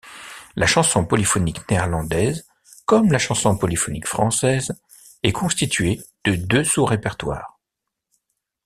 La chanson polyphonique néerlandaise, comme la chanson polyphonique française, est constituée de deux sous-répertoires.